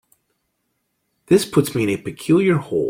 This puts me in a peculiar hole.